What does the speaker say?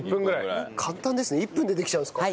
簡単ですね１分でできちゃうんですか。